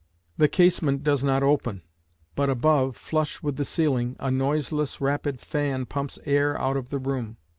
The casement does not open, but above, flush with the ceiling, a noiseless rapid fan pumps air out of the room.